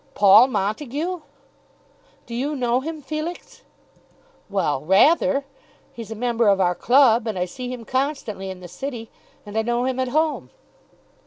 "Paul Montague!" "Do you know him, Felix?" "Well; rather. He's a member of our club, and I see him constantly in the city and I know him at home."